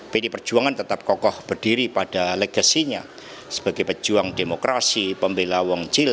pdi perjuangan tetap kokoh berdiri pada legasinya sebagai pejuang demokrasi pembela wong cil